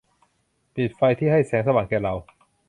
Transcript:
ปิดไฟที่ให้แสงสว่างแก่เรา